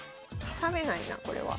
挟めないなこれは。